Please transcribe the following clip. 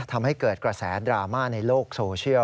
ทำให้เกิดกระแสดราม่าในโลกโซเชียล